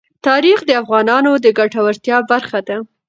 تاریخ د افغانانو د ګټورتیا برخه ده.